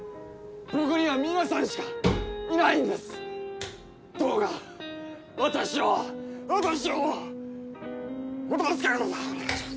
僕には皆さんしかいないんですどうか私を私をお助けください